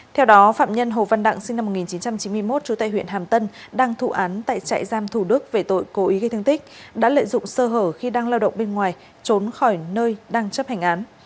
theo đó phạm nhân hồ văn đặng sinh năm một nghìn chín trăm chín mươi một trú tại huyện hàm tân đang thụ án tại trại giam thủ đức về tội cố ý gây thương tích đã lợi dụng sơ hở khi đang lao động bên ngoài trốn khỏi nơi đang chấp hành án